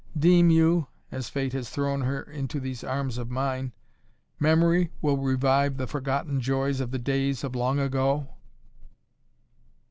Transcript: Deem you as fate has thrown her into these arms of mine memory will revive the forgotten joys of the days of long ago?"